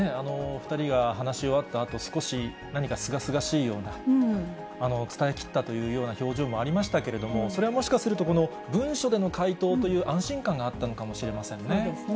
２人が話し終わったあと、少し何かすがすがしいような、伝えきったというような表情もありましたけれども、それはもしかすると、この文書での回答という安心感があったのかもしれませんね。